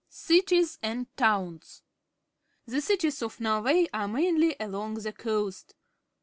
Cities and Towns. — The cities of Norway are mainly along the coast.